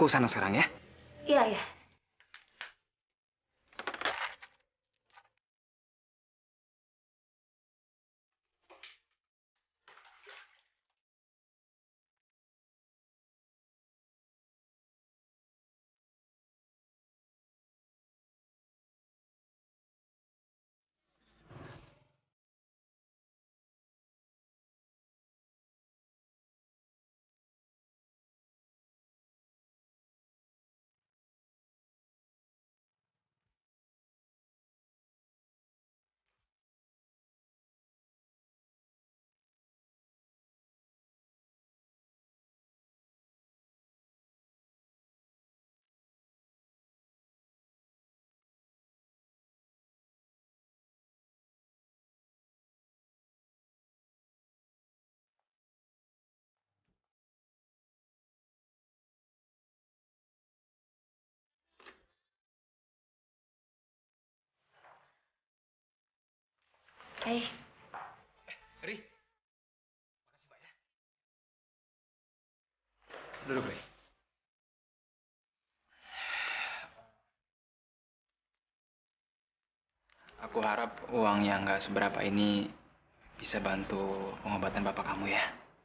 sampai jumpa di video selanjutnya